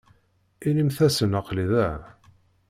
Inimt-asen aql-i da.